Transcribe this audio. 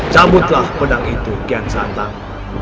cabutlah pedang itu gyan santang